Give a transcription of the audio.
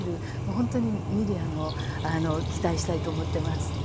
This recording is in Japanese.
本当にメディアに期待したいと思っています。